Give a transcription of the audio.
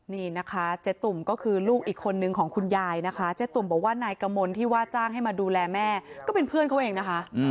นี่นะคะเจ๊ตุ่มก็คือลูกอีกคนนึงของคุณยายนะคะเจ๊ตุ่มบอกว่านายกมลที่ว่าจ้างให้มาดูแลแม่ก็เป็นเพื่อนเขาเองนะคะ